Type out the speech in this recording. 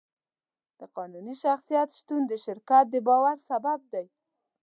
د قانوني شخصیت شتون د شرکت د باور سبب دی.